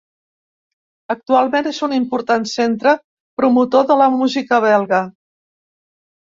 Actualment és un important centre promotor de la música belga.